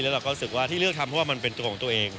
แล้วเราก็รู้สึกว่าที่เลือกทำเพราะว่ามันเป็นตัวของตัวเอง